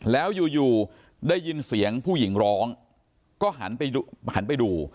แล้วอยู่ได้ยินเสียงผู้หญิงร้องก็หันไปดู